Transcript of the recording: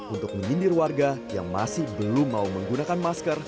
untuk menyindir warga yang masih belum mau menggunakan masker